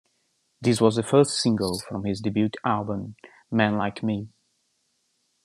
This was the first single from his debut album "Man Like Me".